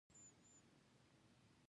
دا رذالتونه مې عملاً وليدل.